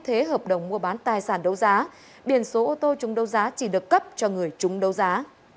thế hợp đồng mua bán tài sản đấu giá biển số ô tô chúng đấu giá chỉ được cấp cho người chúng đấu giá